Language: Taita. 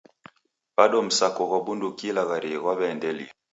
Bado msako ghwa bunduki ilagharie ghwaw'iaendelia.